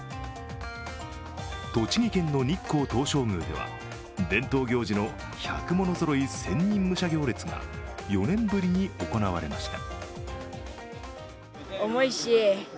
栃木県の日光東照宮では伝統行事の百物揃千人武者行列が、４年ぶりに行われました。